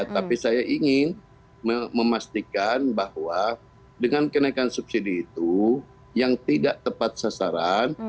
tapi saya ingin memastikan bahwa dengan kenaikan subsidi itu yang tidak tepat sasaran